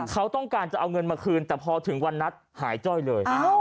เขาต้องการจะเอาเงินมาคืนแต่พอถึงวันนัดหายจ้อยเลย